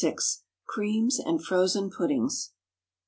XXVI. CREAMS AND FROZEN PUDDINGS.